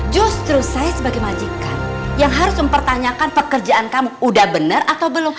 justru saya sebagai majikan yang harus mempertanyakan pekerjaan kamu udah benar atau belum